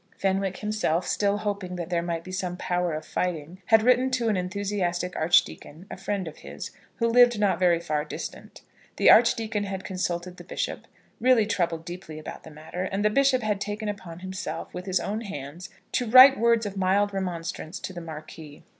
Fenwick himself, still hoping that there might be some power of fighting, had written to an enthusiastic archdeacon, a friend of his, who lived not very far distant. The Archdeacon had consulted the Bishop, really troubled deeply about the matter, and the Bishop had taken upon himself, with his own hands, to write words of mild remonstrance to the Marquis.